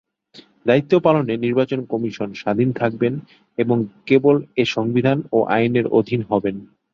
দায়িত্ব পালনে নির্বাচন কমিশন স্বাধীন থাকবেন এবং কেবল এ সংবিধান ও আইনের অধীন হবেন।